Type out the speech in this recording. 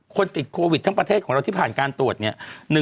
คนติดโควิดทั้งประเทศของเราที่ผ่านการตรวจเนี่ย